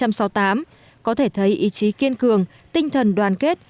và nổi dậy xuân mộ thân một nghìn chín trăm sáu mươi tám có thể thấy ý chí kiên cường tinh thần đoàn kết